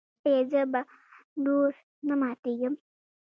ایا زه به نور نه ماتیږم؟